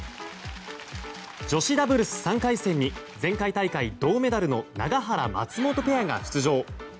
女子ダブルス３回戦に前回大会銅メダルの永原、松本ペアが出場。